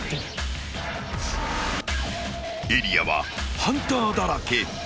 ［エリアはハンターだらけ。